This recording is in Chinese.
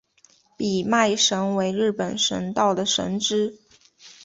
比卖神为日本神道的神只。